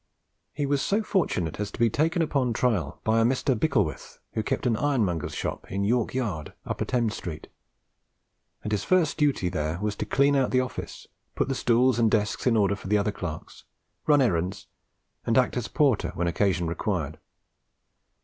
He was so fortunate as to be taken upon trial by a Mr. Bicklewith, who kept an ironmonger's shop in York Yard, Upper Thames Street; and his first duty there was to clean out the office, put the stools and desks in order for the other clerks, run errands, and act as porter when occasion required.